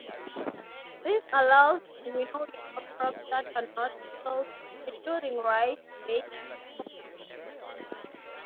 This allows winnowing of crops that are not shelled, including rice, maize, and sorghum.